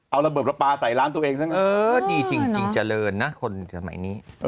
เอาระเบิดประปาใส่ร้านตัวเองซะเออดีจริงเจริญนะคนสมัยนี้